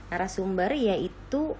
arah sumber yaitu